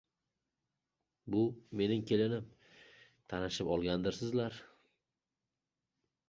Bu mening kelinim, tanishib olgandirsizlar?